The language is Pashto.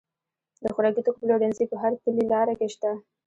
د خوراکي توکو پلورنځي په هر پلې لار کې شته.